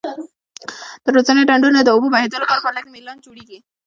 د روزنې ډنډونه د اوبو بهیدو لپاره په لږ میلان جوړیږي.